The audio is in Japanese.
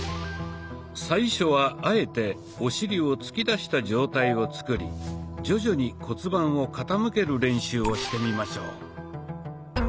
最初はあえてお尻を突き出した状態を作り徐々に骨盤を傾ける練習をしてみましょう。